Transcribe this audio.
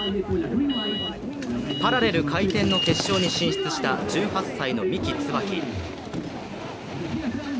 パラレル回転の決勝に進出した１８歳の三木つばき。